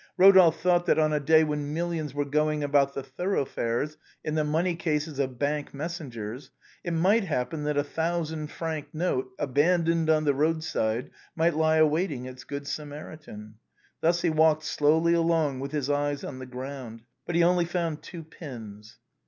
Eodolphe thought that on a day when millions were going about the thoroughfares in the money cases of bank messengers, it might happen that a thousand franc note, abandoned on the roadside, might lie waiting its Good Samaritan. Thus he walked slowly along with his eyes on the ground. But he only found two pins.